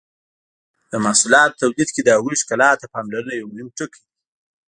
د محصولاتو تولید کې د هغوی ښکلا ته پاملرنه یو مهم ټکی دی.